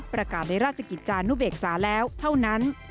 ประกาศในราชกิจจานุเบกษาแล้วเท่านั้น